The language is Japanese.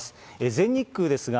全日空ですが、